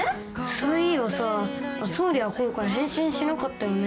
そういえばさ熱護は今回変身しなかったよね？